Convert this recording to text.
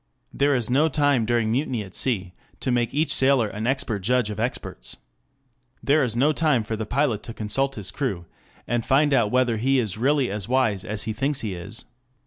There is no time during mutiny at sea to make each sailor an expert judge of experts. There is no time for the pilot to consult his crew and find out whether he is really as wise as he thinks he is.